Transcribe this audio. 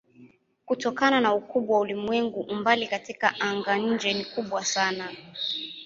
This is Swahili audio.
Kutokana na ukubwa wa ulimwengu umbali katika anga-nje ni kubwa sana.